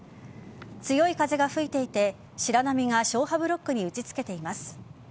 強い風が吹いていて白波が消波ブロックに打ち付けています。